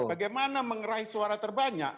bagaimana mengerahi suara terbanyak